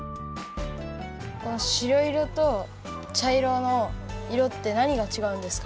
あのしろ色とちゃ色の色ってなにがちがうんですか？